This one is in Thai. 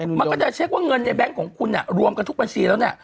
มันก็จะเช็คว่าเงินในแง๊งของคุณอ่ะรวมกันทุกบัญชีแล้วเนี่ย